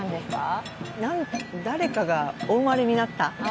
誰かがお生まれになった？